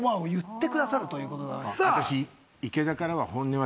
私。